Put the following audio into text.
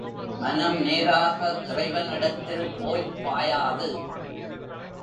மனம் நேராக இறைவனிடத்தில் போய்ப் பாயாது.